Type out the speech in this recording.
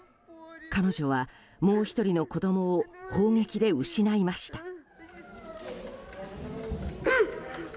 彼女はもう１人の子供を砲撃で失いました。